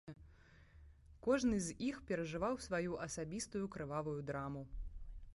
Кожны з іх перажываў сваю асабістую крывавую драму.